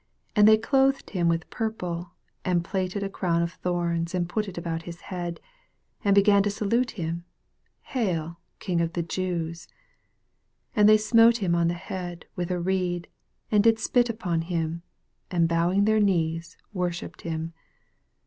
17 And they clothed him with pur ple, and platted a crown of thorns, and put it about his head, 18 And began to salute him, Hail, King of the Jews ! 19 And they smote him on the head with a re\.J, and did spit upon him. and bowing their knees worshipped him.